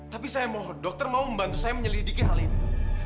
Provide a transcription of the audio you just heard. tapi saya mohon dokter mau membantu saya menyelidiki hal ini